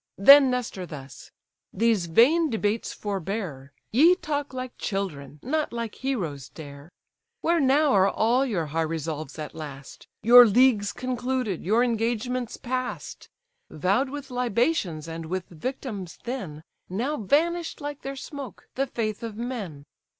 Then Nestor thus—"These vain debates forbear, Ye talk like children, not like heroes dare. Where now are all your high resolves at last? Your leagues concluded, your engagements past? Vow'd with libations and with victims then, Now vanish'd like their smoke: the faith of men!